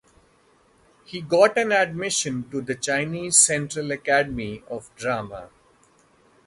He got an admission to the Chinese Central academy of drama.